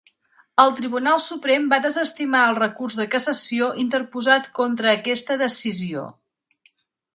El Tribunal Suprem va desestimar el recurs de cassació interposat contra aquesta decisió.